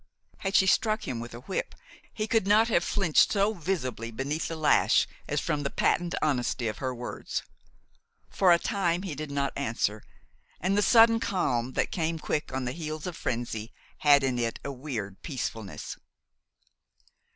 Had she struck him with a whip he could not have flinched so visibly beneath the lash as from the patent honesty of her words. For a time he did not answer, and the sudden calm that came quick on the heels of frenzy had in it a weird peacefulness.